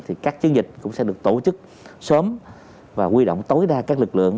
thì các chiến dịch cũng sẽ được tổ chức sớm và quy động tối đa các lực lượng